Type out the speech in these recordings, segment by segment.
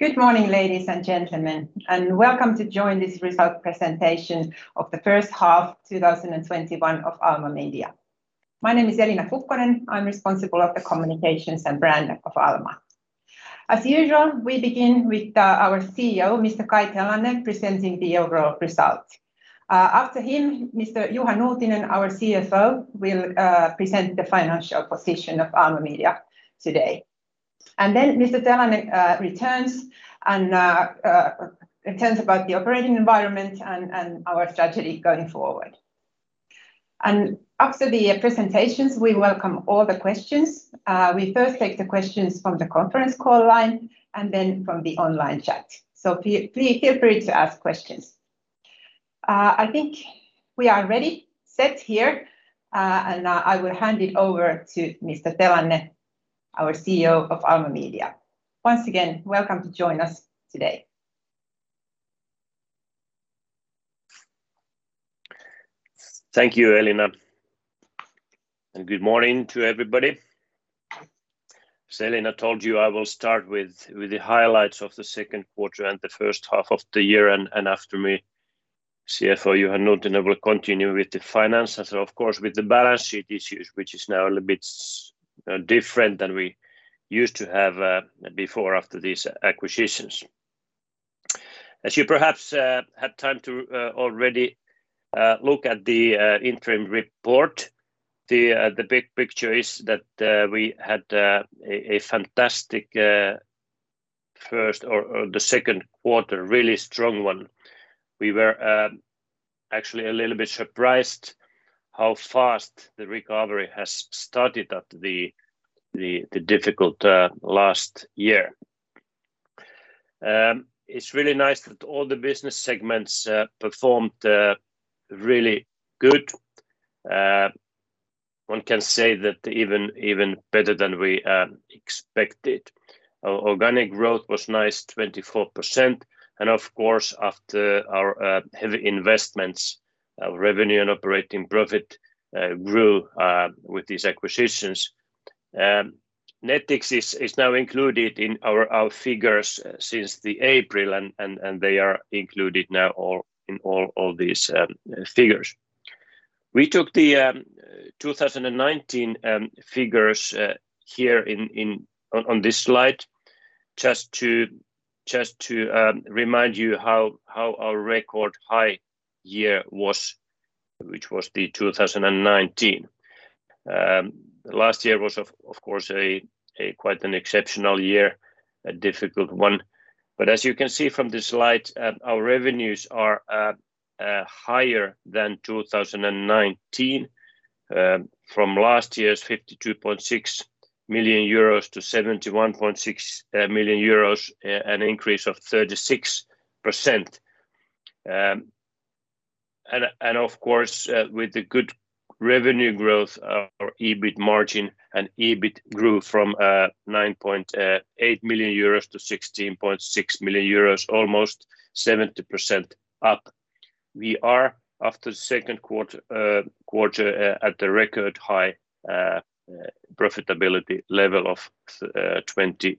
Good morning, ladies and gentlemen, welcome to join this result presentation of the first half 2021 of Alma Media. My name is Elina Kukkonen. I'm responsible of the communications and brand of Alma. As usual, we begin with our CEO, Mr. Kai Telanne, presenting the overall results. After him, Mr. Juha Nuutinen, our CFO, will present the financial position of Alma Media today, and then Mr. Telanne returns and tells about the operating environment and our strategy going forward. After the presentations, we welcome all the questions. We first take the questions from the conference call line and then from the online chat, so feel free to ask questions. I think we are ready set here, and I will hand it over to Mr. Telanne, our CEO of Alma Media. Once again, welcome to join us today. Thank you, Elina, and good morning to everybody. As Elina told you, I will start with the highlights of the second quarter and the first half of the year. After me, CFO Juha Nuutinen will continue with the finances, of course, with the balance sheet issues, which is now a little bit different than we used to have before after these acquisitions. As you perhaps had time to already look at the interim report, the big picture is that we had a fantastic first or the second quarter, really strong one. We were actually a little bit surprised how fast the recovery has started after the difficult last year. It's really nice that all the business segments performed really good. One can say that even better than we expected. Organic growth was nice 24% and of course, after our heavy investments, our revenue and operating profit grew with these acquisitions. Nettix is now included in our figures since the April, and they are included now in all these figures. We took the 2019 figures here on this slide just to remind you how our record high year was, which was the 2019. Last year was of course a quite an exceptional year, a difficult one. As you can see from this slide, our revenues are higher than 2019 from last year's 52.6 million euros to 71.6 million euros, an increase of 36%. Of course, with the good revenue growth, our EBIT margin and EBIT grew from 9.8 million euros to 16.6 million euros, almost 70% up. We are after the second quarter at the record high profitability level of 23%.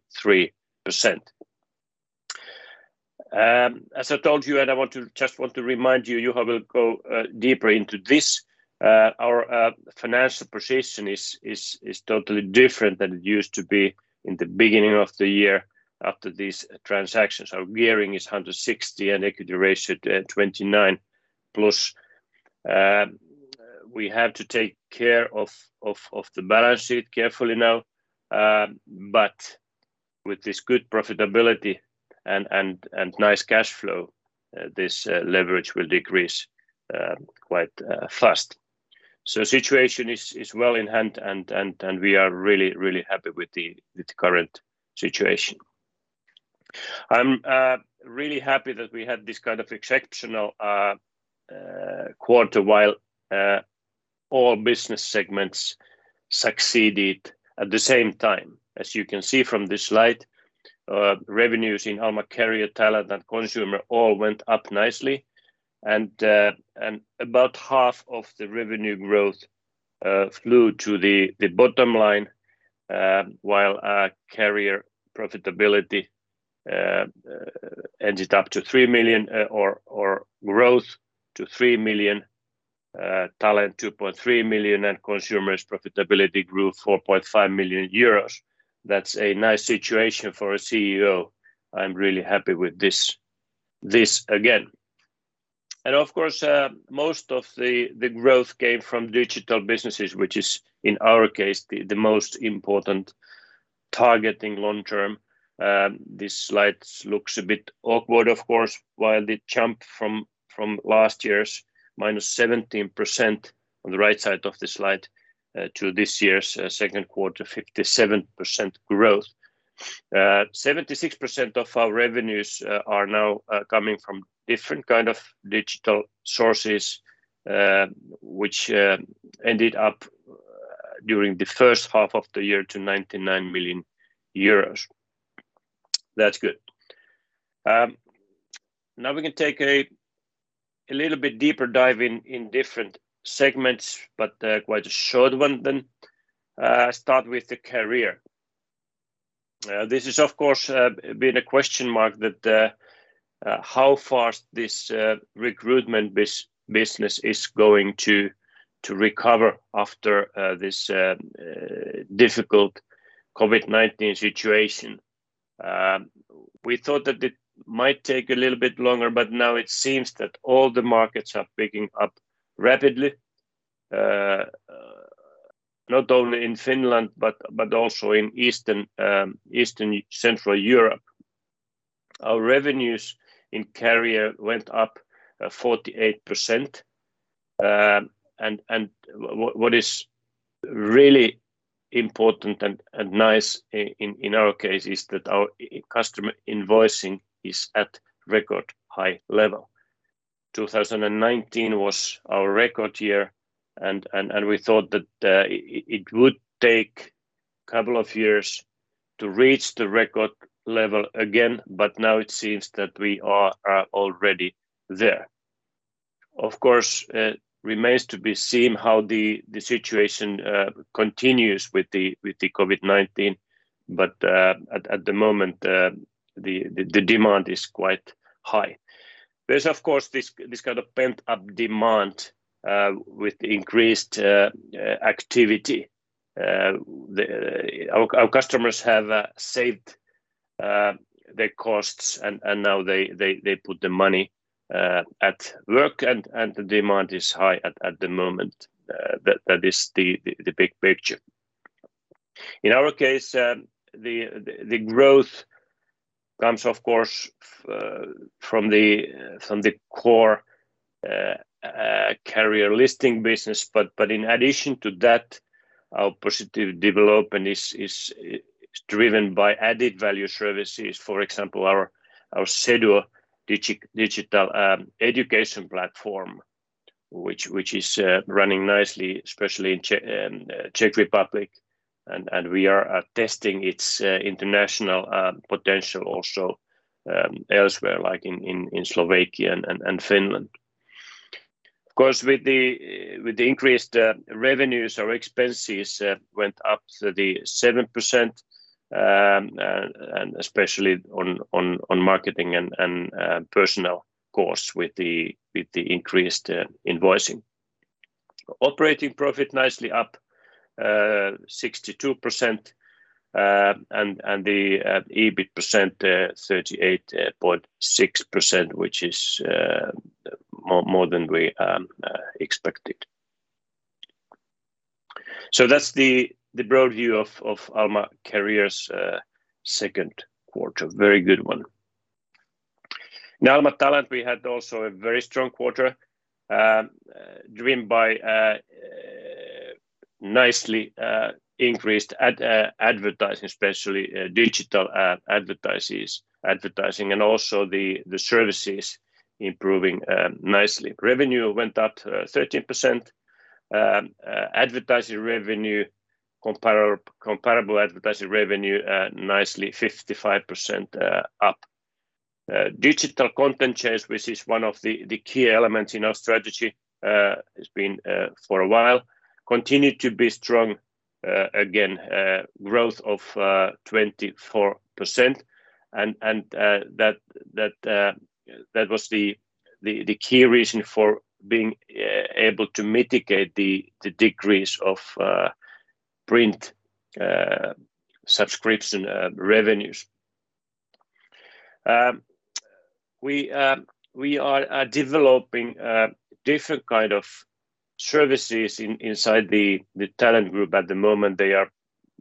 As I told you, I just want to remind you, Juha Nuutinen will go deeper into this. Our financial position is totally different than it used to be in the beginning of the year after these transactions. Our gearing is 160 and equity ratio 29+. We have to take care of the balance sheet carefully now. With this good profitability and nice cash flow, this leverage will decrease quite fast. Situation is well in hand and we are really happy with the current situation. I'm really happy that we had this kind of exceptional quarter while all business segments succeeded at the same time. As you can see from this slide, revenues in Alma Career, Talent and Consumer all went up nicely and about half of the revenue growth flew to the bottom line. While Career profitability ended up to 3 million or growth to 3 million, Talent 2.3 million, and Consumer's profitability grew 4.5 million euros. That's a nice situation for a CEO. I'm really happy with this again. Of course, most of the growth came from digital businesses, which is, in our case, the most important targeting long term. This slide looks a bit awkward, of course, while the jump from last year's -17% on the right side of the slide to this year's second quarter, 57% growth. 76% of our revenues are now coming from different kind of digital sources which ended up during the first half of the year to 99 million euros. That's good. We can take a little bit deeper dive in different segments, but quite a short one then. Start with the Career. This has, of course, been a question mark that how fast this recruitment business is going to recover after this difficult COVID-19 situation. We thought that it might take a little bit longer, but now it seems that all the markets are picking up rapidly, not only in Finland but also in Eastern, Central Europe. Our revenues in Career went up 48%. What is really important and nice in our case is that our customer invoicing is at record high level. 2019 was our record year and we thought that it would take a couple of years to reach the record level again, but now it seems that we are already there. Of course, it remains to be seen how the situation continues with the COVID-19, but at the moment, the demand is quite high. There's, of course, this kind of pent-up demand with increased activity. Our customers have saved their costs, and now they put the money at work and the demand is high at the moment. That is the big picture. In our case, the growth comes, of course from the core Career listing business. In addition to that, our positive development is driven by added value services. For example, our Seduo digital education platform which is running nicely, especially in Czech Republic. We are testing its international potential also elsewhere, like in Slovakia and Finland. Of course, with the increased revenues, our expenses went up 37%, and especially on marketing and personal costs with the increased invoicing. Operating profit nicely up 62%, and the EBIT percent 38.6%, which is more than we expected. That's the broad view of Alma Career's second quarter. Very good one. In Alma Talent, we had also a very strong quarter driven by nicely increased advertising, especially digital advertising, and also the services improving nicely. Revenue went up 13%. Comparable advertising revenue nicely 55% up. Digital content shares, which is one of the key elements in our strategy has been for a while, continued to be strong again growth of 24%. That was the key reason for being able to mitigate the decrease of print subscription revenues. We are developing different kind of services inside the Talent group. At the moment, they are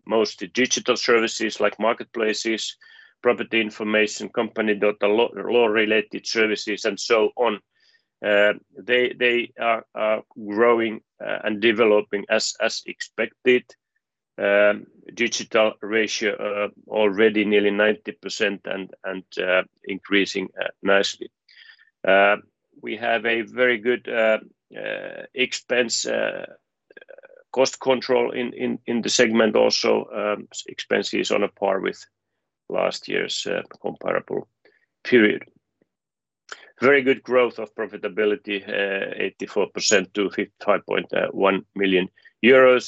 mostly digital services like marketplaces, property information, company data, law-related services, and so on. They are growing and developing as expected. Digital ratio already nearly 90% and increasing nicely. We have a very good expense cost control in the segment also. Expenses on a par with last year's comparable period. Very good growth of profitability 84% to 5.1 million euros.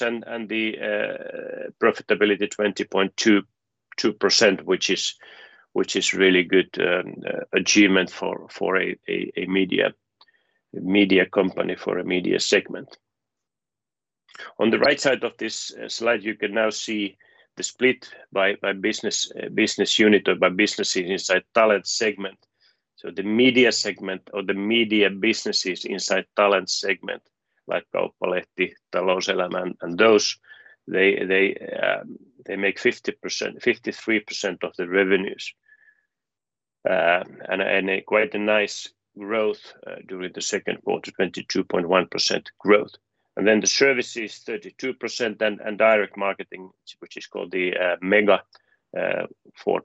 The profitability 20.2%, which is really good achievement for a media company, for a media segment. On the right side of this slide, you can now see the split by business unit or by businesses inside Talent segment. The media segment or the media businesses inside Talent segment like Kauppalehti, Talouselämä and those, they make 53% of the revenues. A quite a nice growth during the second quarter, 22.1% growth. The services 32%. Direct marketing, which is called the Mega 14%.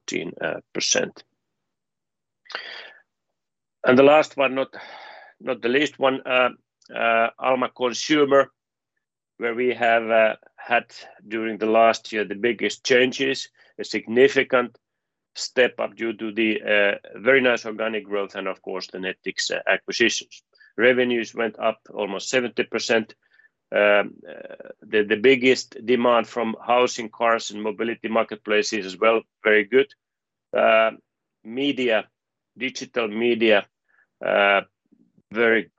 The last one, not the least one, Alma Consumer, where we have had during the last year the biggest changes. A significant step up due to the very nice organic growth and of course the Nettix acquisitions. Revenues went up almost 70%. The biggest demand from housing, cars and mobility marketplaces as well, very good. Digital media, very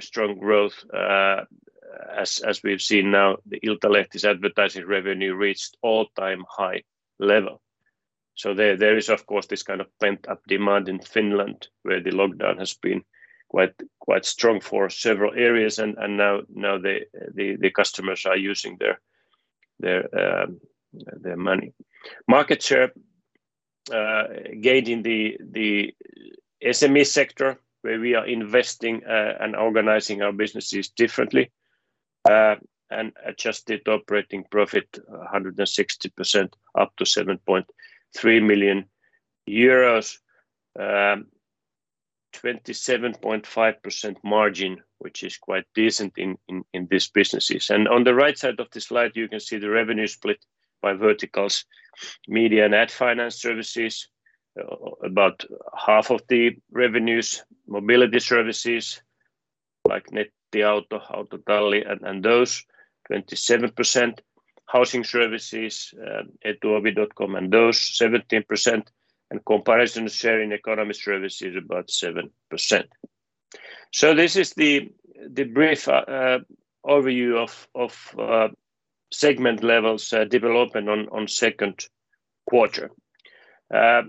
strong growth as we've seen now. The Iltalehti's advertising revenue reached all-time high level. There is of course this kind of pent-up demand in Finland where the lockdown has been quite strong for several areas and now the customers are using their money. Market share gain in the SME sector where we are investing and organizing our businesses differently. Adjusted operating profit 160% up to 7.3 million euros. 27.5% margin, which is quite decent in these businesses. On the right side of the slide, you can see the revenue split by verticals. Media and ad finance services, about half of the revenues. Mobility services like Nettiauto, Autotalli.com and those 27%. Housing services, Etuovi.com and those 17%. Comparison sharing economy service is about 7%. This is the brief overview of segment levels development on second quarter. I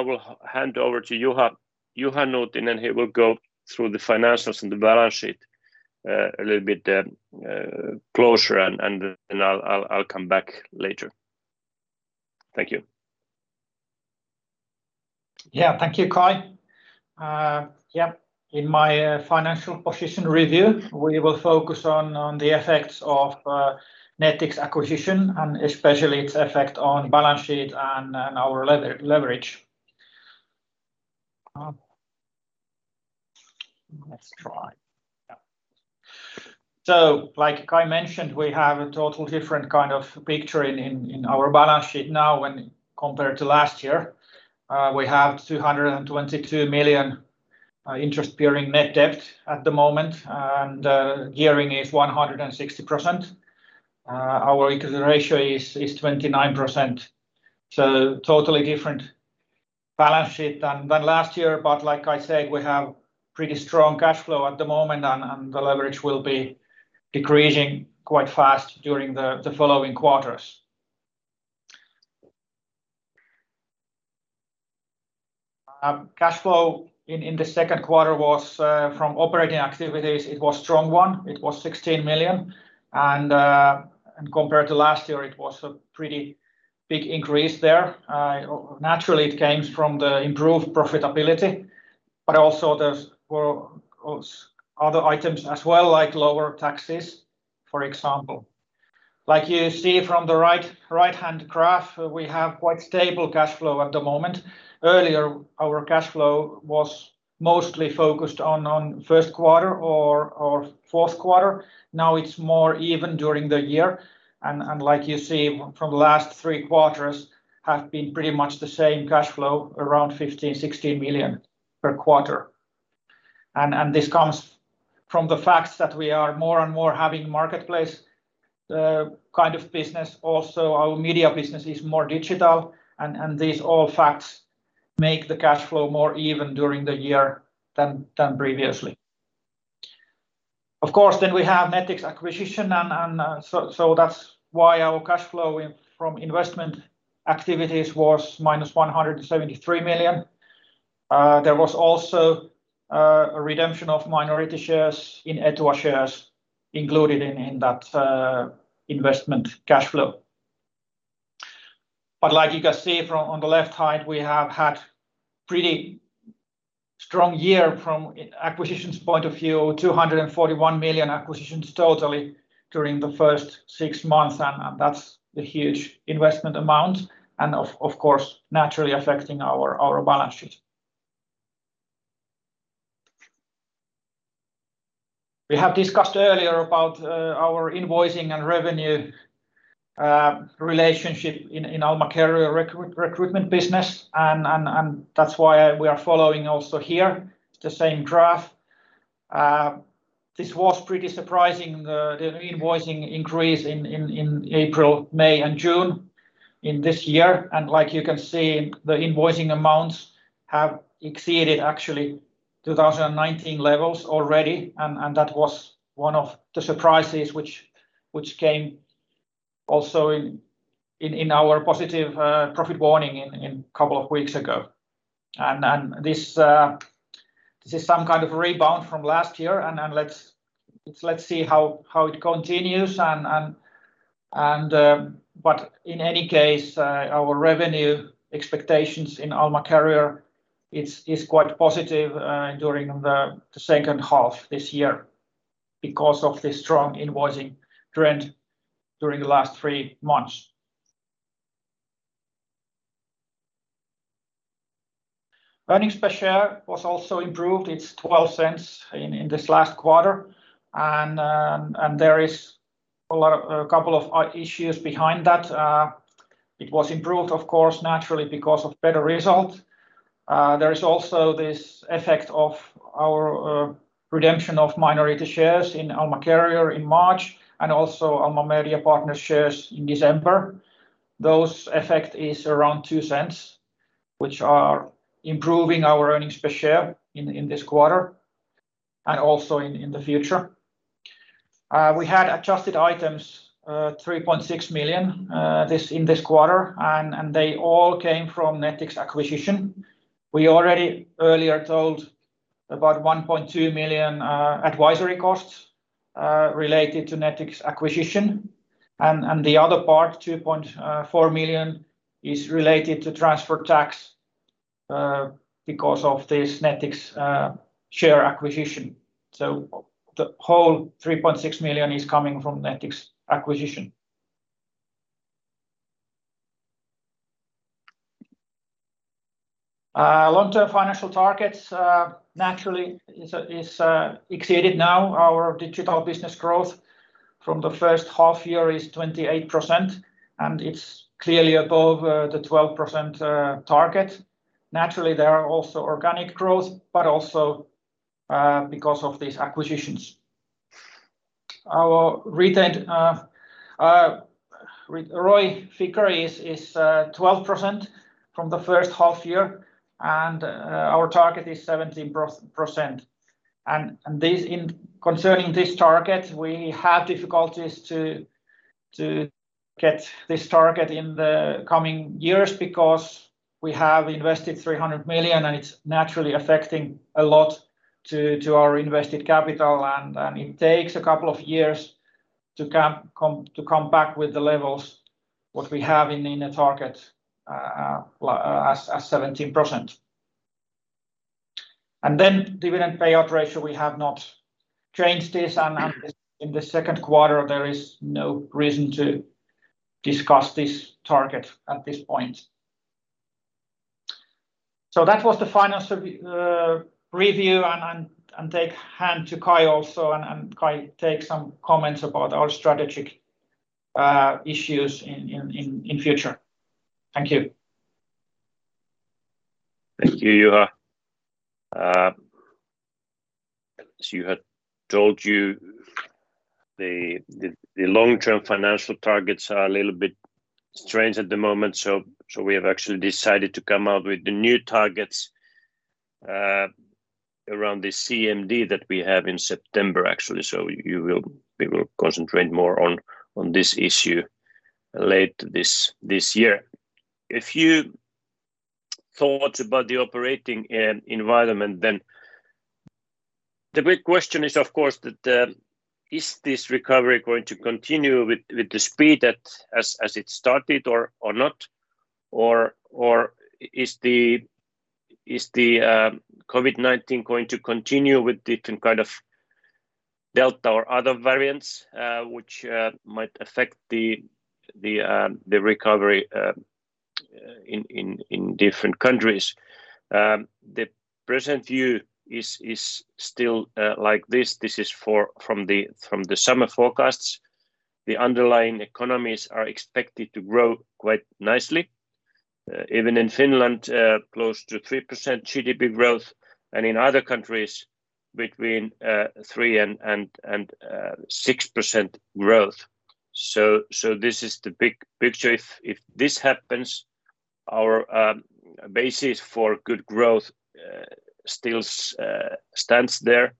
will hand over to Juha Nuutinen and he will go through the financials and the balance sheet a little bit closer. I'll come back later. Thank you. Thank you, Kai. In my financial position review we will focus on the effects of Nettix acquisition and especially its effect on balance sheet and our leverage. Like Kai mentioned, we have a total different kind of picture in our balance sheet now compared to last year. We have 222 million interest-bearing net debt at the moment and gearing is 160%. Our equity ratio is 29%, totally different balance sheet than last year. Like I said, we have pretty strong cash flow at the moment and the leverage will be decreasing quite fast during the following quarters. Cash flow in the second quarter from operating activities it was strong one, it was 16 million. Compared to last year it was a pretty big increase there. Naturally it came from the improved profitability, but also there were other items as well, like lower taxes for example. Like you see from the right-hand graph, we have quite stable cash flow at the moment. Earlier our cash flow was mostly focused on first quarter or fourth quarter. Now it's more even during the year and like you see from last three quarters have been pretty much the same cash flow around 15 million, 16 million per quarter. This comes from the fact that we are more and more having marketplace kind of business also our media business is more digital and these all facts make the cash flow more even during the year than previously. Of course then we have Nettix acquisition and so that's why our cash flow from investment activities was -173 million. There was also a redemption of minority shares in Etua shares included in that investment cash flow. Like you can see from on the left height, we have had pretty strong year from acquisitions point of view, 241 million acquisitions totally during the first six months, and that's the huge investment amount and of course naturally affecting our balance sheet. We have discussed earlier about our invoicing and revenue relationship in Alma Career recruitment business and that's why we are following also here the same graph. This was pretty surprising the invoicing increase in April, May and June in this year. Like you can see the invoicing amounts have exceeded actually 2019 levels already and that was one of the surprises which came also in our positive profit warning in couple of weeks ago. This is some kind of rebound from last year and let's see how it continues. In any case, our revenue expectations in Alma Career is quite positive during the second half this year because of the strong invoicing trend during the last three months. Earnings per share was also improved. It's 0.12 in this last quarter. There is a couple of issues behind that. It was improved, of course, naturally because of better result. There is also this effect of our redemption of minority shares in Alma Career in March, and also Alma Mediapartners shares in December. Those effect is around 0.02, which are improving our earnings per share in this quarter and also in the future. We had adjusted items 3.6 million in this quarter, and they all came from Nettix acquisition. We already earlier told about 1.2 million advisory costs related to Nettix acquisition, and the other part, 2.4 million, is related to transfer tax because of this Nettix share acquisition. The whole 3.6 million is coming from Nettix acquisition. Long-term financial targets naturally is exceeded now. Our digital business growth from the first half year is 28%, and it's clearly above the 12% target. There are also organic growth, but also because of these acquisitions. Our ROI figure is 12% from the first half year, and our target is 17%. Concerning this target, we have difficulties to get this target in the coming years because we have invested 300 million, and it's naturally affecting a lot to our invested capital, and it takes a couple of years to come back with the levels what we have in the target as 17%. Dividend payout ratio, we have not changed this and in the second quarter, there is no reason to discuss this target at this point. That was the financial review and take hand to Kai also, and Kai take some comments about our strategic issues in future. Thank you. Thank you, Juha. As Juha told you, the long-term financial targets are a little bit strange at the moment, we have actually decided to come out with the new targets around the CMD that we have in September, actually. We will concentrate more on this issue later this year. A few thoughts about the operating environment. The big question is of course that is this recovery going to continue with the speed as it started or not? Is the COVID-19 going to continue with different kind of Delta or other variants, which might affect the recovery in different countries? The present view is still like this. This is from the summer forecasts. The underlying economies are expected to grow quite nicely. Even in Finland, close to 3% GDP growth and in other countries between 3% and 6% growth. This is the big picture. If this happens, our basis for good growth still stands there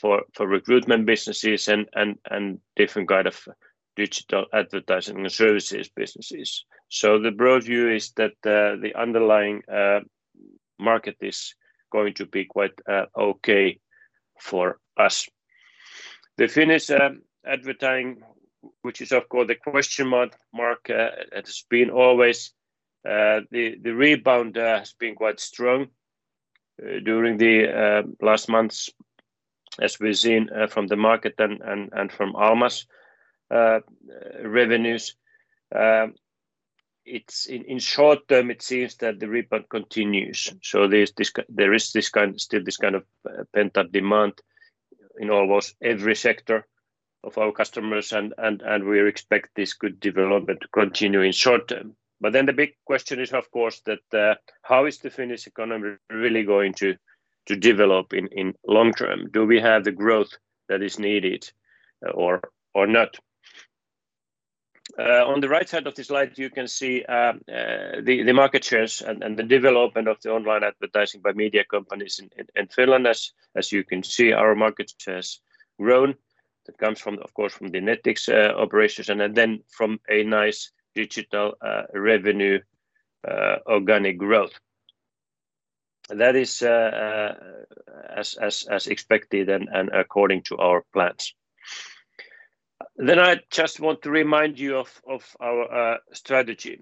for recruitment businesses and different kind of digital advertising services businesses. The broad view is that the underlying market is going to be quite okay for us. The Finnish advertising, which is of course the question mark it has been always the rebound has been quite strong during the last months as we've seen from the market and from Alma's revenues. In short term, it seems that the rebound continues. There is still this kind of pent-up demand in almost every sector of our customers, and we expect this good development to continue in short term. The big question is, of course, that how is the Finnish economy really going to develop in long term? Do we have the growth that is needed or not? On the right side of the slide, you can see the market shares and the development of the online advertising by media companies in Finland. As you can see, our market share has grown. That comes of course from the Nettix operations and then from a nice digital revenue organic growth. That is as expected and according to our plans. I just want to remind you of our strategy.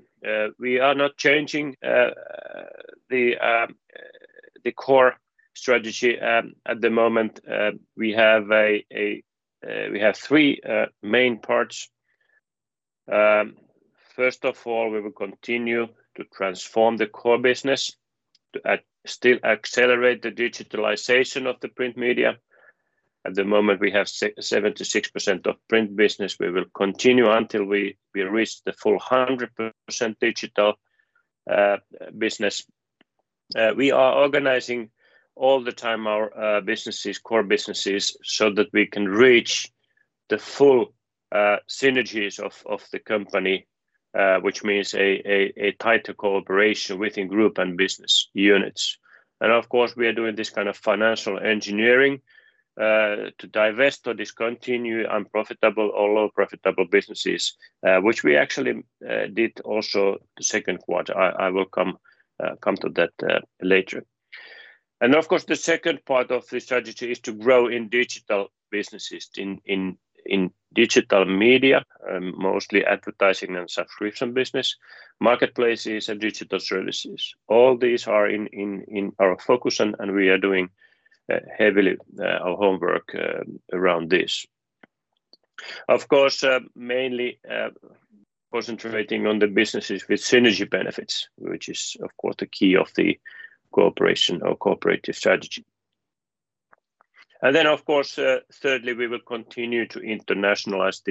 We are not changing the core strategy at the moment. We have three main parts. First of all, we will continue to transform the core business to still accelerate the digitalization of the print media. At the moment, we have 76% of print business. We will continue until we reach the full 100% digital business. We are organizing all the time our core businesses so that we can reach the full synergies of the company, which means a tighter cooperation within group and business units. We are doing this kind of financial engineering to divest or discontinue unprofitable or low profitable businesses, which we actually did also the second quarter. I will come to that later. The second part of the strategy is to grow in digital businesses, in digital media, mostly advertising and subscription business, marketplaces and digital services. All these are in our focus, and we are doing heavily our homework around this. Mainly concentrating on the businesses with synergy benefits, which is, of course, the key of the cooperation or cooperative strategy. Thirdly, we will continue to internationalize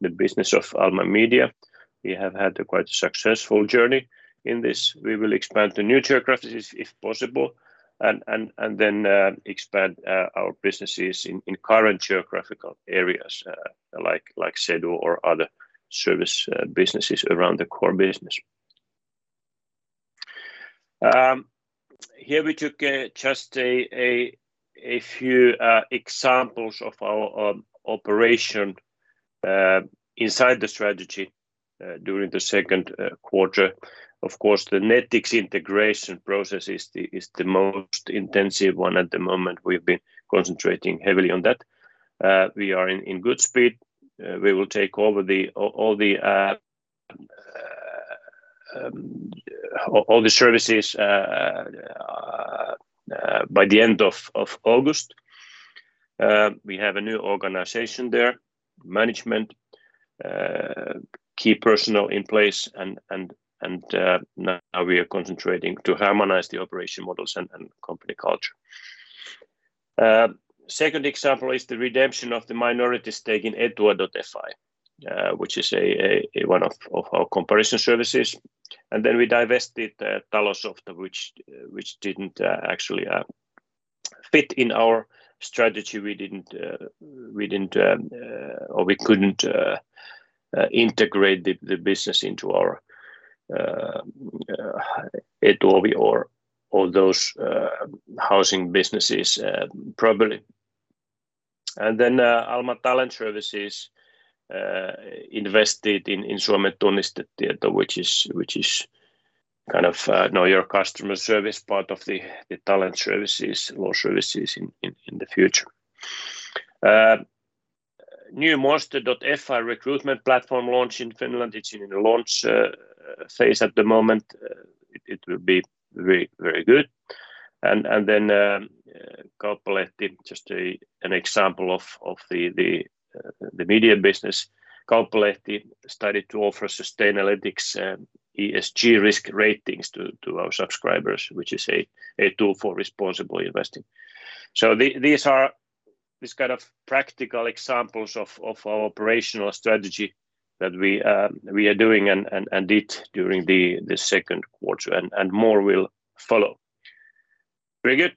the business of Alma Media. We have had quite a successful journey in this. We will expand to new geographies if possible and then expand our businesses in current geographical areas, like Seduo or other service businesses around the core business. Here we took just a few examples of our operation inside the strategy during the second quarter. Of course, the Nettix integration process is the most intensive one at the moment. We've been concentrating heavily on that. We are in good speed. We will take all the services by the end of August. We have a new organization there, management, key personnel in place, and now we are concentrating to harmonize the operation models and company culture. Second example is the redemption of the minority stake in Etua.fi, which is one of our comparison services. We divested Talosofta, which didn't actually fit in our strategy. We couldn't integrate the business into our Etuovi or those housing businesses properly. Alma Talent Services invested in Suomen Tunnistetieto, which is know-your-customer service part of the Talent Services, law services in the future. New Monster.fi recruitment platform launch in Finland. It's in the launch phase at the moment. It will be very good. Kauppalehti, just an example of the media business. Kauppalehti started to offer Sustainalytics ESG risk ratings to our subscribers, which is a tool for responsible investing. These are practical examples of our operational strategy that we are doing and did during the second quarter, and more will follow. Very good.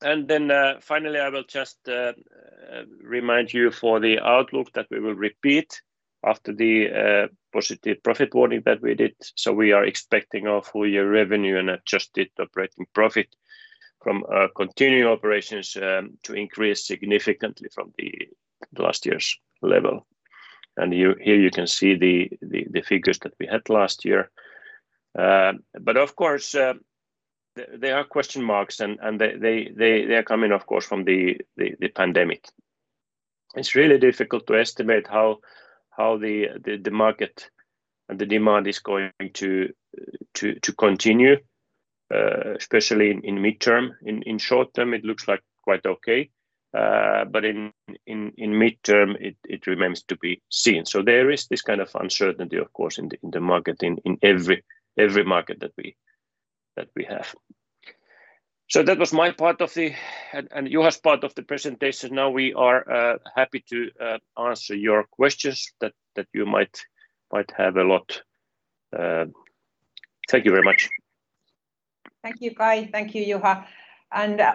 Finally, I will just remind you for the outlook that we will repeat after the positive profit warning that we did. We are expecting our full-year revenue and adjusted operating profit from continuing operations to increase significantly from the last year's level. Here you can see the figures that we had last year. Of course, there are question marks, and they are coming, of course, from the pandemic. It's really difficult to estimate how the market and the demand is going to continue, especially in mid-term. In short-term, it looks like quite okay but in mid-term, it remains to be seen. There is this kind of uncertainty, of course, in every market that we have. That was my part and Juha's part of the presentation. Now we are happy to answer your questions that you might have a lot. Thank you very much. Thank you, Kai. Thank you, Juha.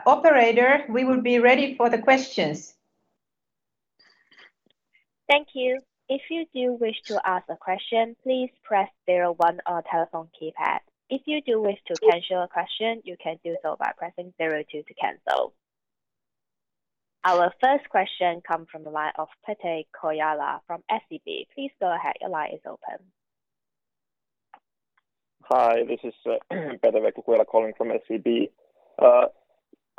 Operator, we will be ready for the questions. Thank you. If you do wish to ask a question, please press zero one on telephone keypad. If you do wish to cancel a question, you can do so by pressing zero two to cancel. Our first question come from the line of Petri Kajaala from SEB. Please go ahead. Your line is open. Hi, this is Petri Kajaala calling from SEB.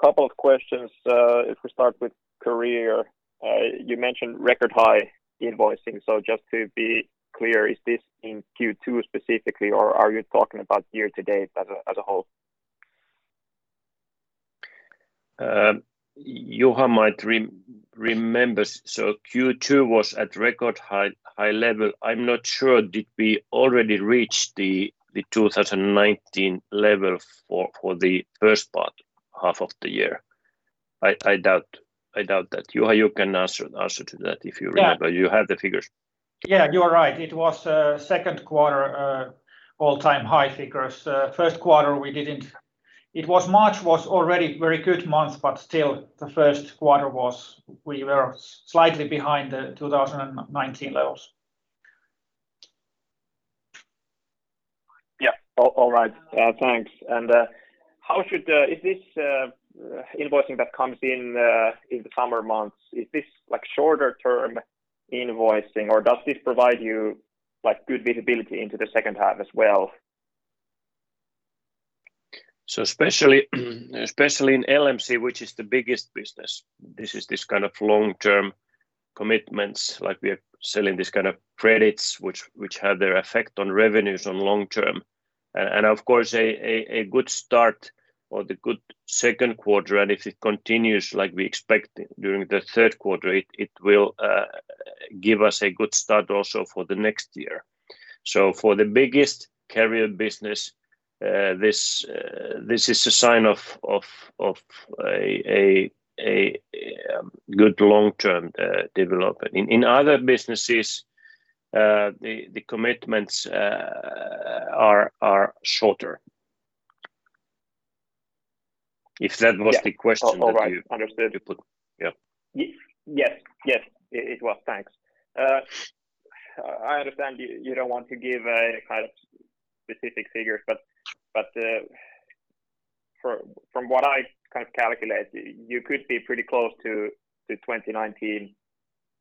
Couple of questions. If we start with Career. You mentioned record high invoicing. Just to be clear, is this in Q2 specifically, or are you talking about year-to-date as a whole? Juha might remember. Q2 was at record high level. I'm not sure, did we already reach the 2019 level for the first part half of the year? I doubt that. Juha, you can answer to that if you remember. You have the figures. You are right. It was second quarter all-time high figures. First quarter, we didn't. March was already very good month, but still the first quarter we were slightly behind the 2019 levels. Yeah. All right. Thanks. Is this invoicing that comes in the summer months, is this shorter term invoicing or does this provide you good visibility into the second half as well? Especially in LMC, which is the biggest business, this is this kind of long-term commitments, like we are selling this kind of credits which have their effect on revenues on long term. Of course, a good start or the good second quarter, and if it continues like we expect during the third quarter, it will give us a good start also for the next year. For the biggest Career business, this is a sign of a good long-term development. In other businesses, the commitments are shorter. If that was the question that you- All right. Understood. Yeah. Yes. It was. Thanks. I understand you don't want to give any kind of specific figures, but from what I kind of calculate, you could be pretty close to the 2019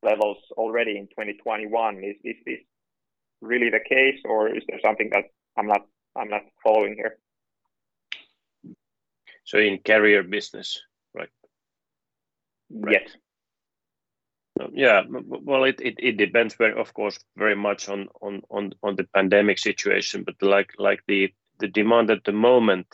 levels already in 2021. Is this really the case, or is there something that I'm not following here? In Career business, right? Yes. It depends, of course, very much on the pandemic situation. The demand at the moment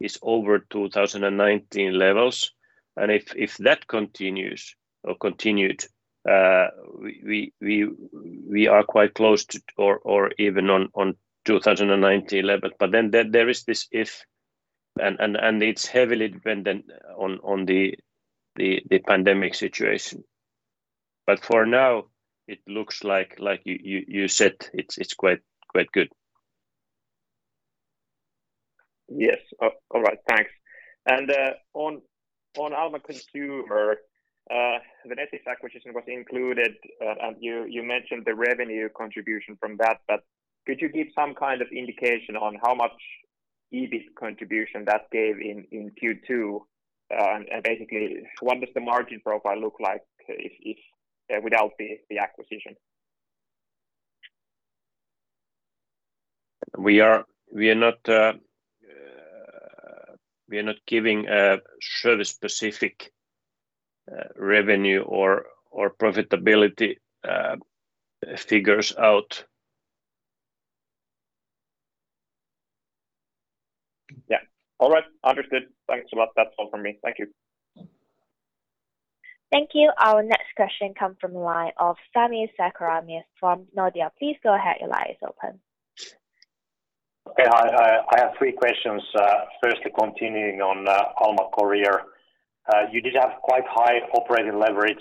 is over 2019 levels, and if that continues or continued, we are quite close to or even on 2019 level. There is this if, and it's heavily dependent on the pandemic situation. For now, it looks like you said, it's quite good. Yes. All right. Thanks. On Alma Consumer, the Nettix acquisition was included, and you mentioned the revenue contribution from that, but could you give some kind of indication on how much EBIT contribution that gave in Q2? Basically, what does the margin profile look like without the acquisition? We are not giving service-specific revenue or profitability figures out. Yeah. All right. Understood. Thanks a lot. That's all from me. Thank you. Thank you. Our next question come from the line of Sami Sarkamies from Nordea. Please go ahead. Your line is open. Okay. I have three questions. Firstly, continuing on Alma Career. You did have quite high operating leverage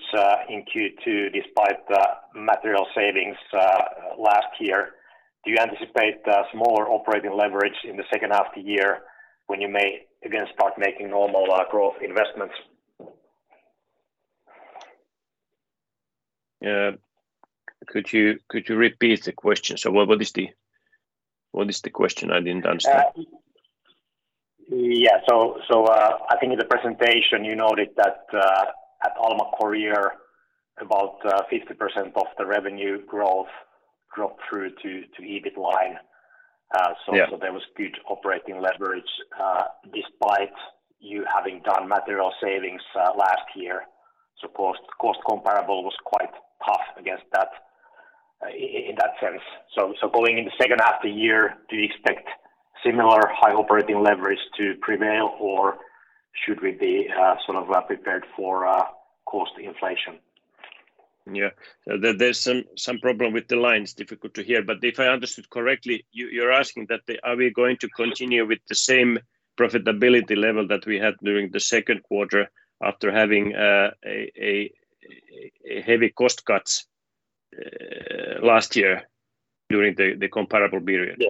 in Q2 despite material savings last year. Do you anticipate smaller operating leverage in the second half of the year when you may again start making normal growth investments? Could you repeat the question? What is the question? I didn't understand. Yeah. I think in the presentation you noted that at Alma Career about 50% of the revenue growth dropped through to EBIT line. Yeah. There was good operating leverage despite you having done material savings last year. Cost comparable was quite tough against that in that sense. Going in the second half the year, do you expect similar high operating leverage to prevail, or should we be sort of well prepared for cost inflation? Yeah. There's some problem with the lines, difficult to hear. If I understood correctly, you're asking that are we going to continue with the same profitability level that we had during the second quarter after having a heavy cost cuts last year during the comparable period? Yeah.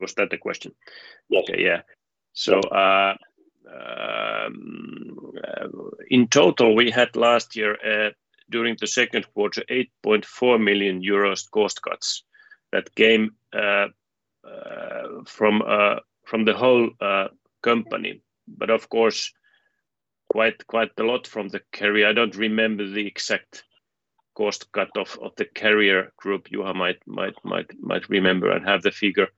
Was that the question? Yeah. Okay. Yeah. In total, we had last year, during the second quarter, 8.4 million euros cost cuts that came from the whole company. Of course, quite a lot from the Career. I don't remember the exact cost cut of the Career group. Juha might remember and have the figure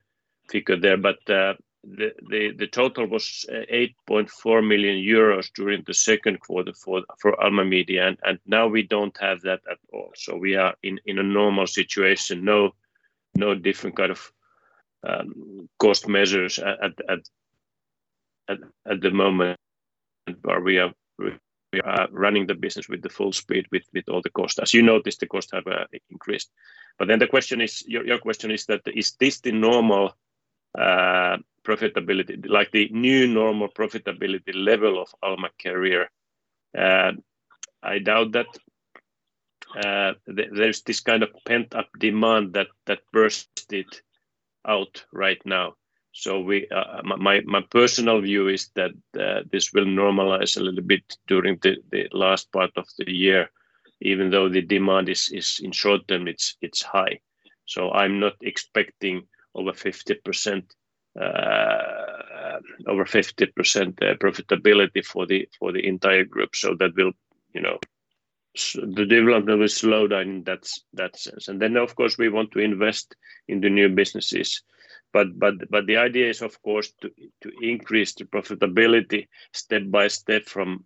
there. The total was 8.4 million euros during the second quarter for Alma Media, and now we don't have that at all. We are in a normal situation. No different kind of cost measures at the moment where we are running the business with the full speed with all the costs. As you noticed, the costs have increased. Your question is that, is this the normal profitability, like the new normal profitability level of Alma Career? I doubt that there's this kind of pent-up demand that bursted out right now. My personal view is that this will normalize a little bit during the last part of the year, even though the demand in short term, it's high. I'm not expecting over 50% profitability for the entire group. The development will slow down in that sense. Then, of course, we want to invest in the new businesses. The idea is, of course, to increase the profitability step by step from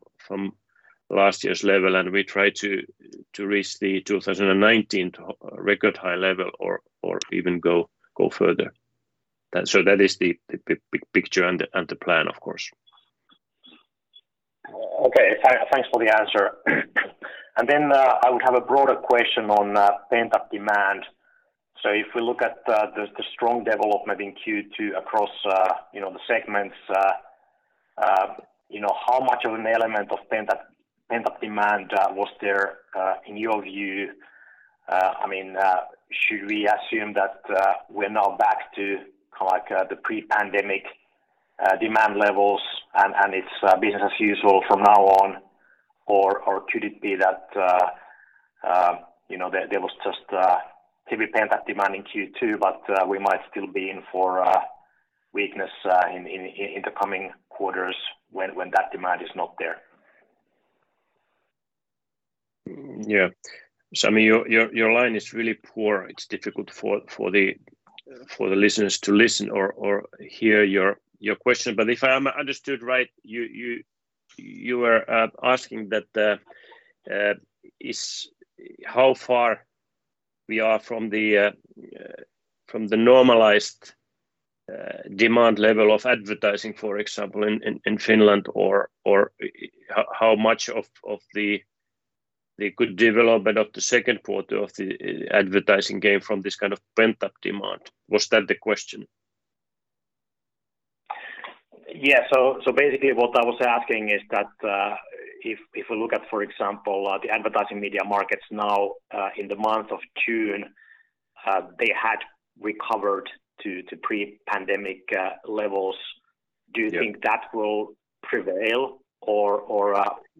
last year's level, and we try to reach the 2019 record high level or even go further. That is the big picture and the plan, of course. Okay. Thanks for the answer. I would have a broader question on pent-up demand. If we look at the strong development in Q2 across the segments, how much of an element of pent-up demand was there, in your view? Should we assume that we're now back to the pre-pandemic demand levels and it's business as usual from now on, or could it be that there was just heavy pent-up demand in Q2, but we might still be in for weakness in the coming quarters when that demand is not there? Yeah. Sami, your line is really poor. It's difficult for the listeners to listen or hear your question. If I understood right, you were asking that how far we are from the normalized demand level of advertising, for example, in Finland, or how much of the good development of the second quarter of the advertising came from this kind of pent-up demand? Was that the question? Yeah. Basically what I was asking is that, if we look at, for example, the advertising media markets now, in the month of June, they had recovered to pre-pandemic levels. Yeah. Do you think that will prevail, or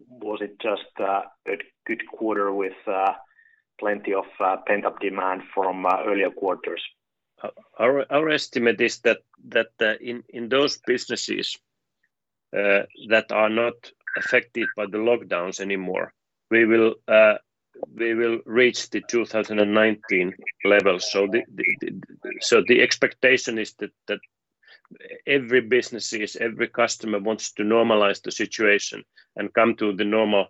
was it just a good quarter with plenty of pent-up demand from earlier quarters? Our estimate is that in those businesses that are not affected by the lockdowns anymore, we will reach the 2019 levels. The expectation is that every business, every customer wants to normalize the situation and come to the normal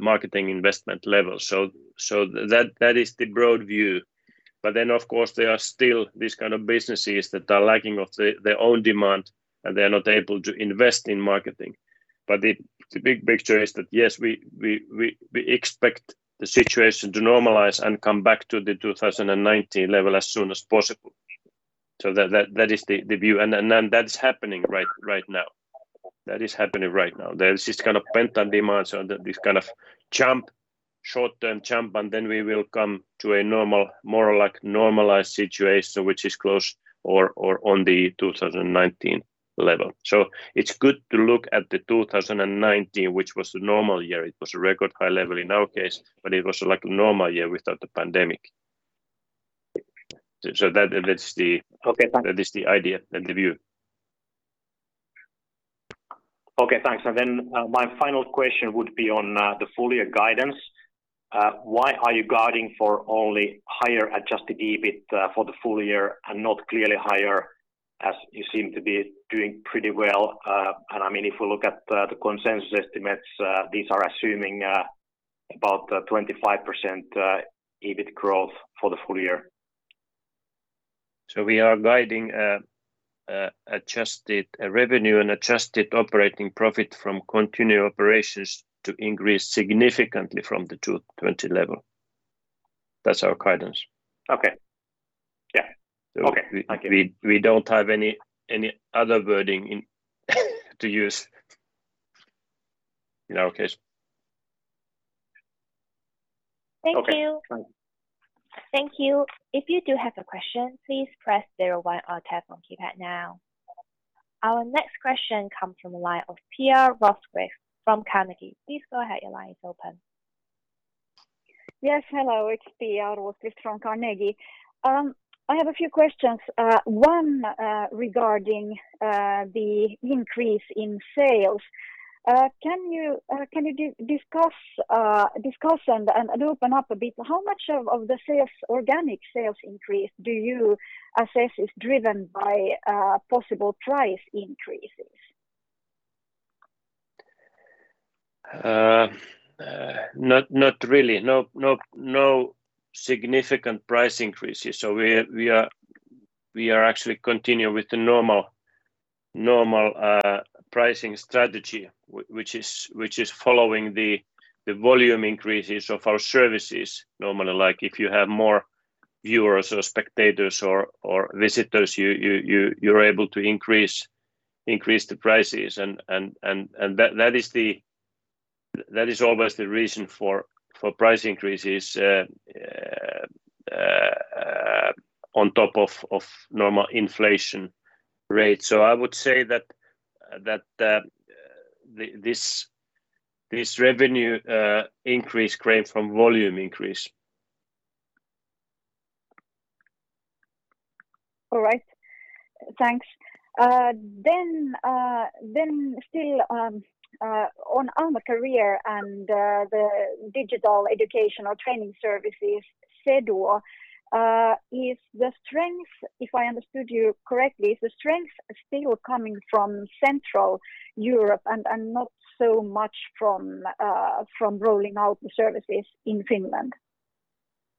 marketing investment level. That is the broad view. Of course, there are still these kind of businesses that are lacking of their own demand, and they're not able to invest in marketing. The big picture is that, yes, we expect the situation to normalize and come back to the 2019 level as soon as possible. That is the view, and that's happening right now. There's this kind of pent-up demand, so this kind of short-term jump, and then we will come to a more or less normalized situation, which is close or on the 2019 level. It's good to look at the 2019, which was a normal year. It was a record high level in our case, but it was like a normal year without the pandemic. Okay, thanks. That is the idea and the view. Okay, thanks. My final question would be on the full-year guidance. Why are you guiding for only higher Adjusted EBIT for the full year and not clearly higher as you seem to be doing pretty well? If we look at the consensus estimates, these are assuming about 25% EBIT growth for the full year. We are guiding adjusted revenue and adjusted operating profit from continuing operations to increase significantly from the 2020 level. That's our guidance. Okay. Yeah. Okay. I get it. We don't have any other wording to use in our case. Okay, thanks. Thank you. If you do have a question please press zero one on your dial key right now. Our next question comes from the line of Pia Rosqvist-Heinsalmi from Carnegie. Please go ahead your line is open. Yes, hello. It's Pia from Carnegie. I have a few questions. One regarding the increase in sales. Can you discuss and open up a bit how much of the organic sales increase do you assess is driven by possible price increases? Not really, no significant price increases. We are actually continuing with the normal pricing strategy, which is following the volume increases of our services normally. If you have more viewers or spectators or visitors, you're able to increase the prices that is always the reason for price increases on top of normal inflation rates. I would say that this revenue increase came from volume increase. All right. Thanks. Still on Alma Career and the digital education or training services, Seduo, if I understood you correctly, is the strength still coming from Central Europe and not so much from rolling out the services in Finland?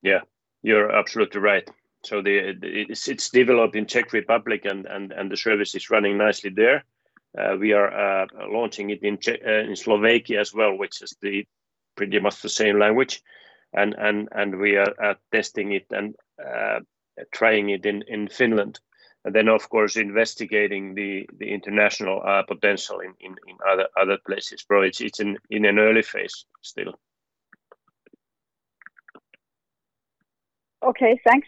Yeah, you're absolutely right. It's developed in Czech Republic and the service is running nicely there. We are launching it in Slovakia as well, which is pretty much the same language, and we are testing it and trying it in Finland. Then, of course, investigating the international potential in other places. It's in an early phase still. Okay, thanks.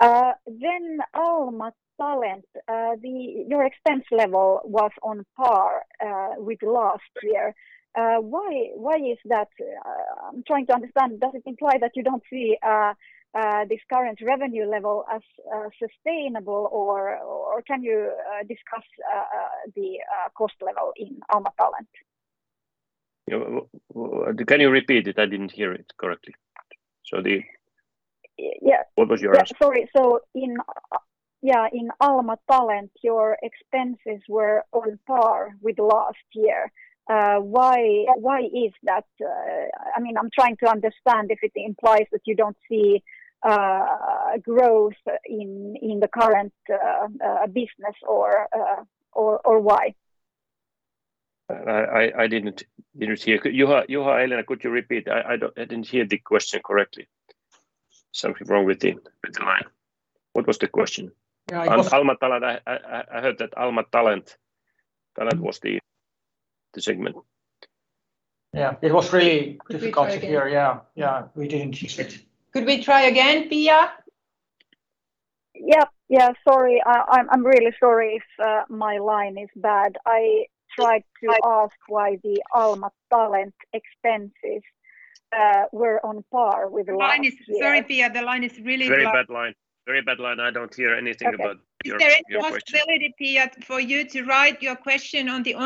Alma Talent, your expense level was on par with last year. Why is that? I'm trying to understand, does it imply that you don't see this current revenue level as sustainable, or can you discuss the cost level in Alma Talent? Can you repeat it? I didn't hear it correctly. What was your ask? Sorry. In Alma Talent, your expenses were on par with last year. Why is that? I'm trying to understand if it implies that you don't see growth in the current business or why. I didn't hear. Pia, could you repeat? I didn't hear the question correctly. Something wrong with the line. What was the question? Alma Talent. I heard that Alma Talent was the segment. Yeah, it was really difficult to hear. Yeah, we didn't hear it. Could we try again, Pia? Sorry. I'm really sorry if my line is bad. I tried to ask why the Alma Talent expenses were on par with last year. Sorry, Pia, the line is really bad. Very bad line. I don't hear anything about your question. Is there any possibility, Pia, for you to write your question on the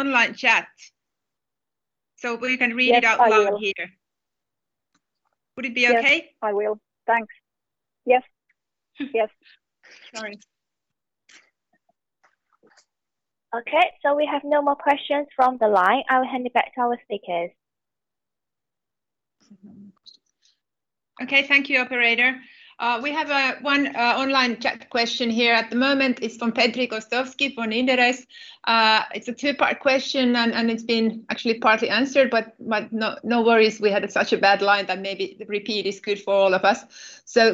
online chat so we can read it out loud here? Yes, I will. Would it be okay? I will. Thanks. Yes. Sorry. Okay, we have no more questions from the line. I will hand it back to our speakers. Okay, thank you, operator. We have one online chat question here at the moment. It's from Petri Gostowski from Inderes. It's a two-part question, and it's been actually partly answered, but no worries, we had such a bad line that maybe the repeat is good for all of us.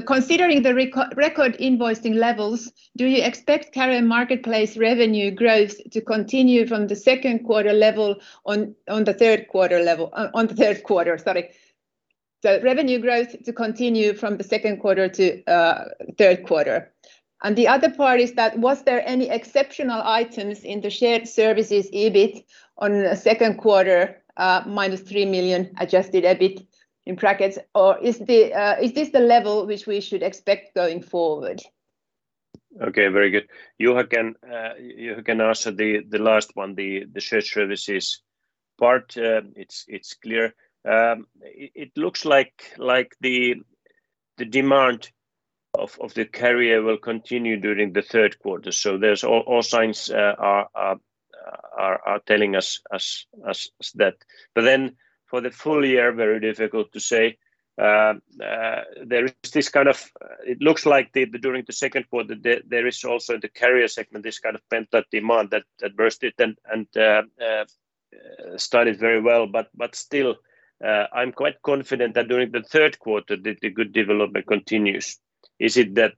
Considering the record invoicing levels, do you expect Career marketplace revenue growth to continue from the second quarter to third quarter? The other part is that was there any exceptional items in the shared services EBIT on second quarter, -3 million Adjusted EBIT in brackets, or is this the level which we should expect going forward? Okay, very good. Juha can answer the last one, the shared services part. It's clear. It looks like the demand of the Career will continue during the third quarter, so all signs are telling us that. For the full year, very difficult to say. It looks like during the second quarter, there is also in the Career segment, this kind of pent-up demand that burst it and started very well. Still, I'm quite confident that during the third quarter, the good development continues. Is it at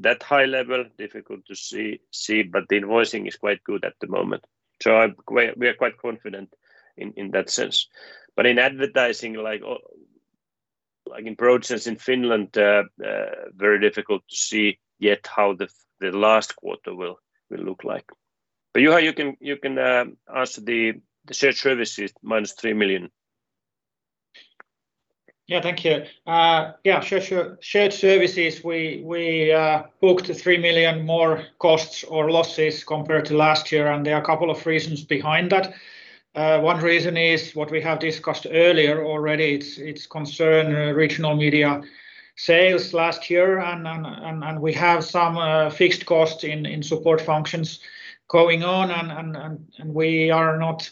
that high level? Difficult to see, but the invoicing is quite good at the moment, so we are quite confident in that sense. In advertising, like in broad sense in Finland, very difficult to see yet how the last quarter will look like. Juha, you can answer the shared services -3 million. Thank you. Shared services, we booked 3 million more costs or losses compared to last year. There are a couple of reasons behind that. One reason is what we have discussed earlier already. It's concerned regional media sales last year. We have some fixed costs in support functions going on. We are not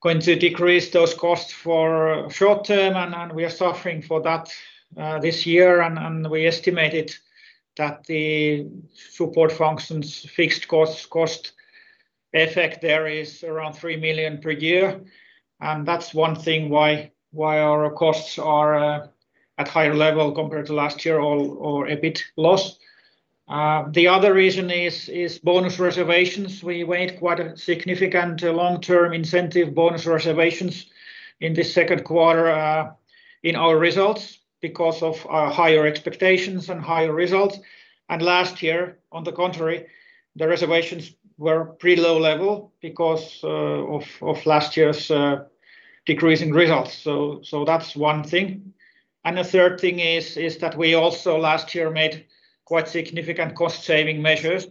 going to decrease those costs for short term. We are suffering for that this year. We estimated that the support functions fixed costs cost effect there is around 3 million per year. That's one thing why our costs are at higher level compared to last year or EBIT loss. The other reason is bonus reservations. We made quite a significant long-term incentive bonus reservations in the second quarter in our results because of our higher expectations and higher results. Last year, on the contrary, the reservations were pretty low level because of last year's decrease in results. That's one thing. The third thing is that we also last year made quite significant cost-saving measures,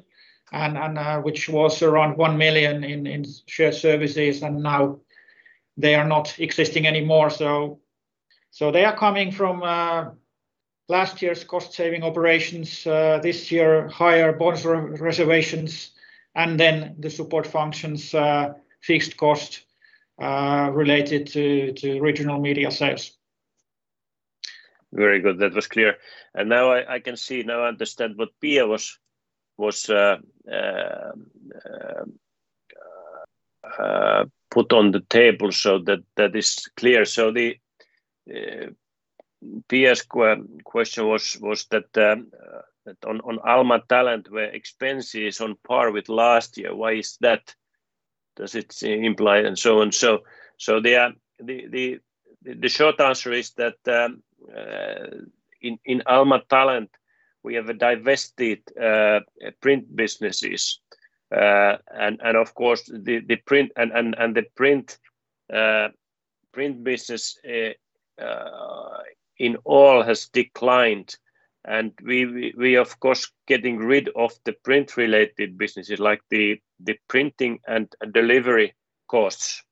which was around 1 million in shared services, and now they are not existing anymore. They are coming from last year's cost-saving operations, this year higher bonus reservations, and then the support functions fixed cost related to regional media sales. Very good. That was clear. Now I can see, now understand what Pia put on the table so that is clear. Pia's question was that on Alma Talent, where expenses on par with last year, why is that? Does it imply and so on? The short answer is that in Alma Talent we have divested print businesses. Of course, the print business in all has declined. We of course getting rid of the print-related businesses like the printing and delivery costs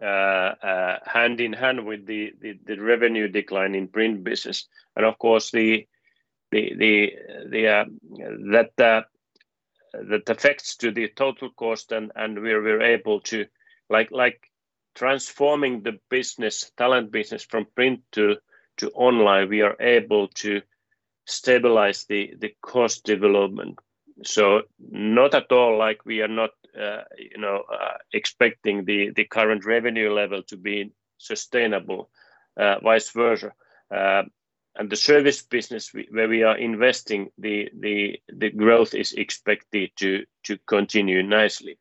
hand in hand with the revenue decline in print business. Of course, that affects to the total cost and we're able to-- like transforming the Talent business from print to online, we are able to stabilize the cost development. Not at all like we are not expecting the current revenue level to be sustainable, vice versa. The service business where we are investing the growth is expected to continue nicely.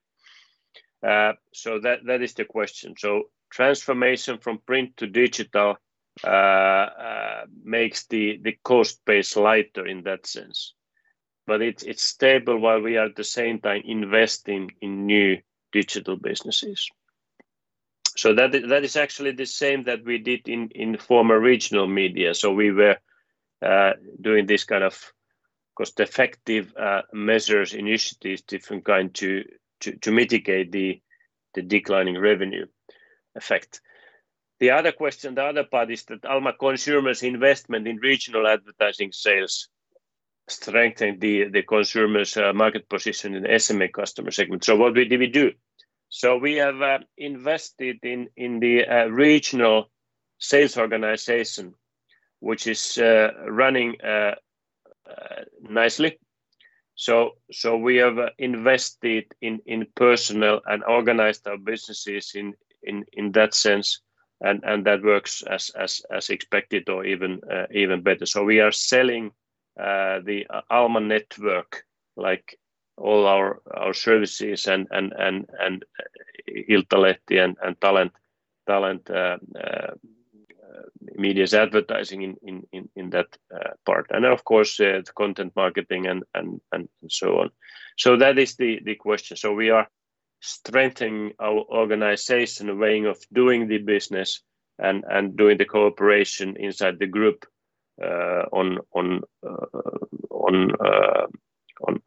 That is the question. Transformation from print to digital makes the cost base lighter in that sense. It's stable while we at the same time investing in new digital businesses. That is actually the same that we did in former regional media. We were doing this kind of cost-effective measures initiatives, different kind to mitigate the declining revenue effect. The other question, the other part is that Alma Consumer's investment in regional advertising sales strengthen the consumer's market position in SME customer segment. What did we do? We have invested in the regional sales organization, which is running nicely. We have invested in personnel and organized our businesses in that sense, and that works as expected or even better. We are selling the Alma network, like all our services and Iltalehti and Alma Talent's advertising in that part. Of course, the content marketing and so on. That is the question. We are strengthening our organization way of doing the business and doing the cooperation inside the group on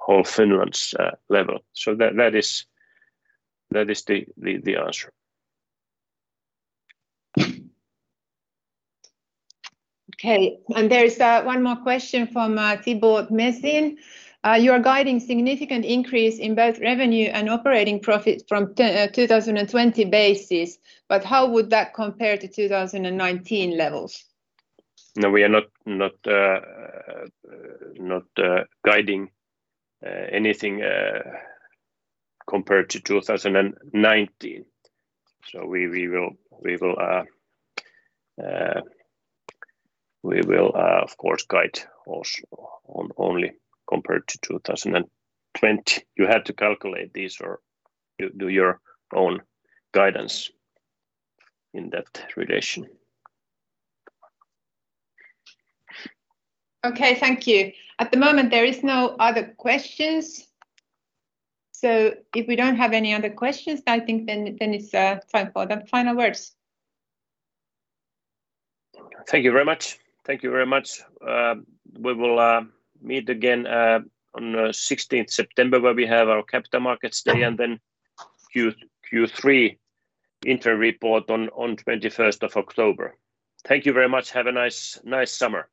whole Finland's level. That is the answer. Okay. There is one more question from Thibault Mezin. You are guiding significant increase in both revenue and operating profit from 2020 basis, but how would that compare to 2019 levels? No, we are not guiding anything compared to 2019. We will of course guide also on only compared to 2020. You have to calculate this or do your own guidance in that relation. Okay. Thank you. At the moment, there is no other questions. If we don't have any other questions, I think then it's time for the final words. Thank you very much. We will meet again on 16th September where we have our Capital Markets Day, and then Q3 interim report on 21st of October. Thank you very much. Have a nice summer.